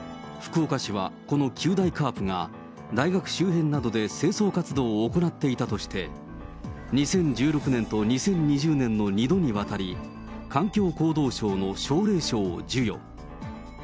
福岡市はこの九大カープが大学周辺などで清掃活動を行っていたとして、２０１６年と２０２０年の２度にわたり、環境行動賞の奨励賞を授与。